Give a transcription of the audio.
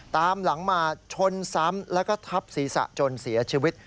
ตามหลังมาชนซ้ำแล้วก็ทับศีรษะจนเสียชีวิต